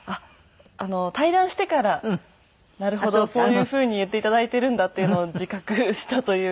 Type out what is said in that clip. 対談してからなるほどそういうふうに言って頂いているんだっていうのを自覚したというか。